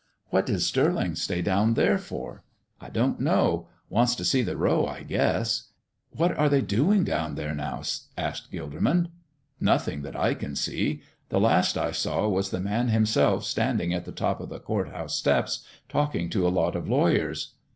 "What did Stirling stay down there for?" "I don't know. Wants to see the row out, I guess." "What are they doing down there now?" asked Gilderman. "Nothing that I can see. The last I saw was the Man himself standing at the top of the court house steps talking to a lot of lawyers.